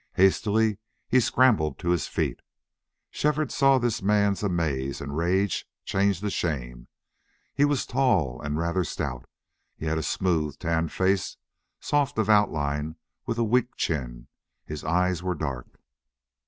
Hastily he scrambled to his feet. Shefford saw this man's amaze and rage change to shame. He was tall and rather stout; he had a smooth tanned face, soft of outline, with a weak chin; his eyes were dark.